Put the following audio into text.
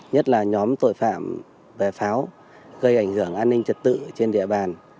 nhất là nhóm tội phạm về pháo gây ảnh hưởng an ninh trật tự trên địa bàn